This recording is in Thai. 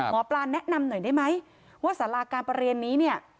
หมอปลาแนะนำหน่อยได้ไหมว่าสาราการประเรียนนี้เนี่ย